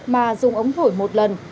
mà dùng ống thổi một lần